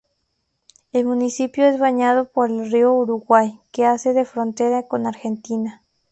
El municipio es bañado por el río Uruguay, que hace de frontera con Argentina.